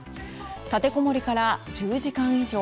立てこもりから１０時間以上。